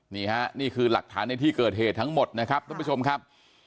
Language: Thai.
นี่ฮะนี่คือหลักฐานในที่เกิดเหตุทั้งหมดนะครับท่านผู้ชมครับ